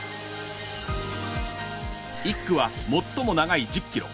１区は最も長い１０ｋｍ。